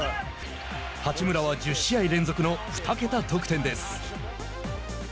八村は１０試合連続の２桁得点です。